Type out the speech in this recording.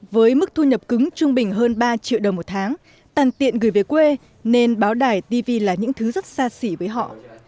với mức thu nhập cứng trung bình hơn ba triệu đồng một tháng tàn tiện gửi về quê nên báo đài tv là những thứ rất xa xỉ với họ